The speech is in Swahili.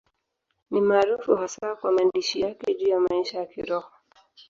Ni maarufu hasa kwa maandishi yake juu ya maisha ya Kiroho.